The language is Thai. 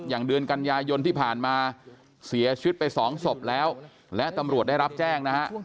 เดือนกันยายนที่ผ่านมาเสียชีวิตไปสองศพแล้วและตำรวจได้รับแจ้งนะฮะ